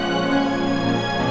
sampai ketemu lagi